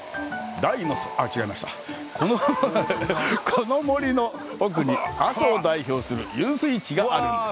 この森の奥に阿蘇を代表する、湧水地があるんです。